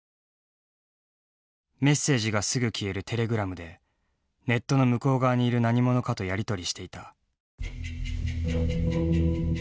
メッセージがすぐ消えるテレグラムでネットの向こう側にいる何者かとやり取りしていた。